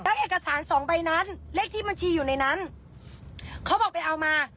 แล้วเอกสารสองใบนั้นเลขที่บัญชีอยู่ในนั้นเขาบอกไปเอามา